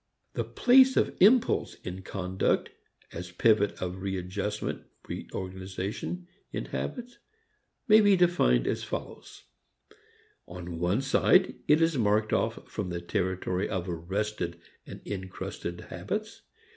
The place of impulse in conduct as a pivot of re adjustment, re organization, in habits may be defined as follows: On one side, it is marked off from the territory of arrested and encrusted habits.